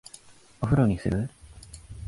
お風呂にする？